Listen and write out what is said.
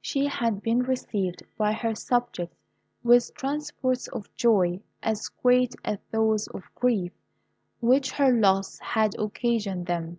She had been received by her subjects with transports of joy as great as those of grief which her loss had occasioned them.